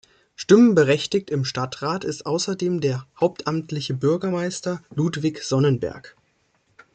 Stimmberechtigt im Stadtrat ist außerdem der hauptamtliche Bürgermeister Ludwig Sonnenberg.